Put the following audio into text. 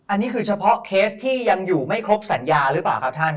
อันนี้คือเฉพาะเคสที่ยังอยู่ไม่ครบสัญญาหรือเปล่าครับท่าน